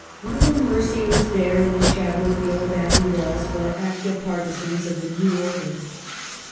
Little mercy was there in the shadow of the old abbey walls for active partisans of the new order.